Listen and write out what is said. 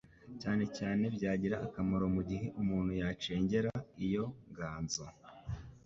Cyane cyane byagira akamaro mu gihe umuntu yacengera iyo nganzo